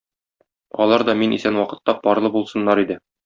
Алар да мин исән вакытта парлы булсыннар иде.